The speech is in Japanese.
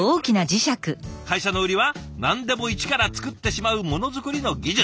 会社の売りは何でも一から作ってしまうモノづくりの技術。